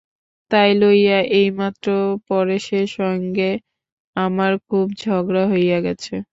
তাই লইয়া এইমাত্র পরেশের সঙ্গে আমার খুব ঝগড়া হইয়া গেছে।